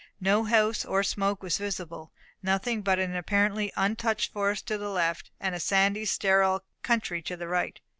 No house or smoke was visible; nothing but an apparently untouched forest to the left, and a sandy, sterile country to the right.